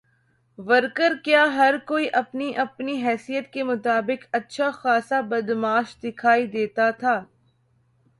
Worker کیا ہر کوئی اپنی اپنی حیثیت کے مطابق اچھا خاصا بدمعاش دکھائی دیتا تھا۔